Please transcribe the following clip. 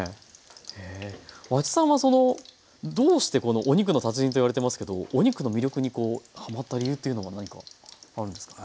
和知さんはどうしてこのお肉の達人と言われていますけどお肉の魅力にこうはまった理由というのは何かあるんですか？